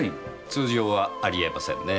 通常はあり得ませんね。